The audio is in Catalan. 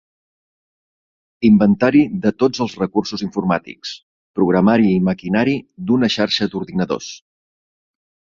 Inventari de tots els recursos informàtics: programari i maquinari d'una xarxa d'ordinadors.